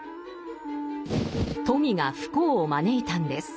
富が不幸を招いたんです。